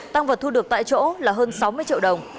tăng vật thu được tại chỗ là hơn sáu mươi triệu đồng